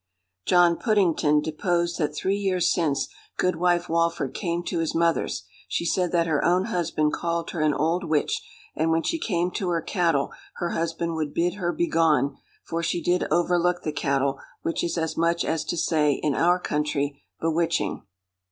"John Puddington deposed that three years since, Goodwife Walford came to his mother's. She said that her own husband called her an old witch; and when she came to her cattle, her husband would bid her begone, for she did overlook the cattle; which is as much as to say, in our country, bewitching.